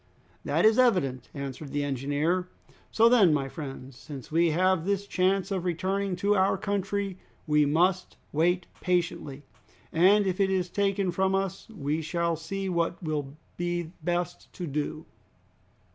"That is evident," answered the engineer. "So then, my friends, since we have this chance of returning to our country, we must wait patiently, and if it is taken from us we shall see what will be best to do."